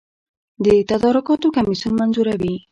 د تدارکاتو کمیسیون منظوروي